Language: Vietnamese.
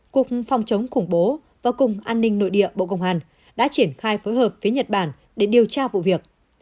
cục phòng chống khủng bố và cục an ninh nội địa bộ công an đã triển khai phối hợp với nhật bản để điều tra vụ việc